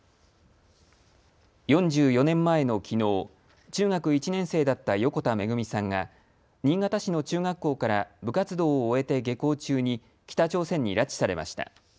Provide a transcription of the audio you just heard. ４４年前のきのう、中学１年生だった横田めぐみさんが新潟市の中学校から部活動を終えて下校中に北朝鮮に拉致されました。